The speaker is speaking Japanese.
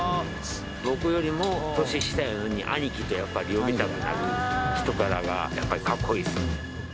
僕よりも年下やのにアニキと呼びたくなる人柄がやっぱり格好いいですね。